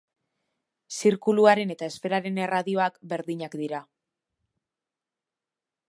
Zirkuluaren eta esferaren erradioak berdinak dira.